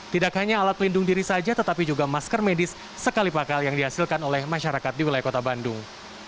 tidak hanya alat pelindung diri saja tetapi juga masker medis sekali pakal yang dihasilkan oleh masyarakat di wilayah kota bandung